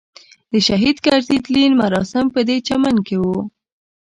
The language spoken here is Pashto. د شهید کرزي تلین مراسم پدې چمن کې وو.